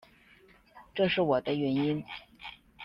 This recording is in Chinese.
这是我的原因